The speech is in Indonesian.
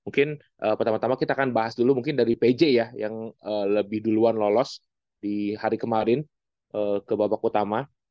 mungkin pertama tama kita akan bahas dulu mungkin dari pj ya yang lebih duluan lolos di hari kemarin ke babak utama